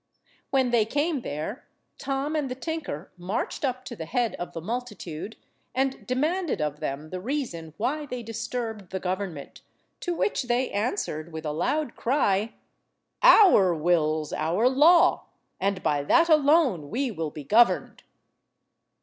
When they came there, Tom and the tinker marched up to the head of the multitude, and demanded of them the reason why they disturbed the government, to which they answered with a loud cry— "Our will's our law, and by that alone we will be governed."